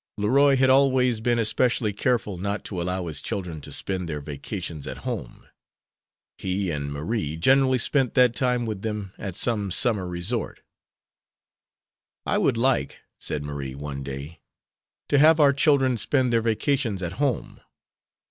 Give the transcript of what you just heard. Leroy had always been especially careful not to allow his children to spend their vacations at home. He and Marie generally spent that time with them at some summer resort. "I would like," said Marie, one day, "to have our children spend their vacations at home.